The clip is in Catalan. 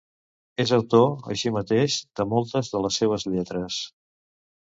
És autor, així mateix, de moltes de les seues lletres.